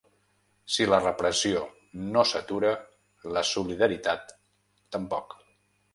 Si la repressió no s'atura, la solidaritat tampoc.